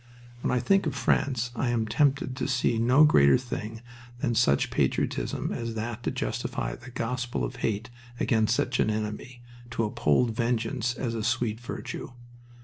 When I think of France I am tempted to see no greater thing than such patriotism as that to justify the gospel of hate against such an enemy, to uphold vengeance as a sweet virtue.